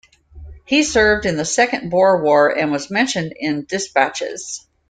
He served in the Second Boer War and was mentioned in dispatches.